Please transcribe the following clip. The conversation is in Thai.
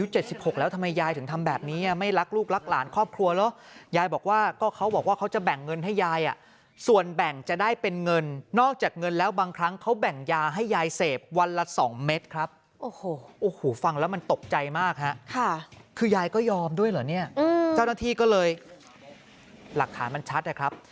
เจ้าหน้าที่ก็เลยหลักฐานมันชัดนะครับ